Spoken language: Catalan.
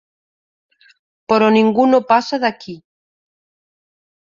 Però ningú no passa d'aquí.